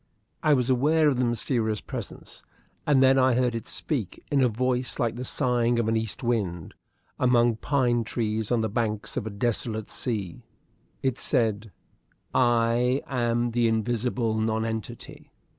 I was aware of the mysterious presence, and then I heard it speak in a voice like the sighing of an east wind among pine trees on the banks of a desolate sea. It said: "I am the invisible nonentity.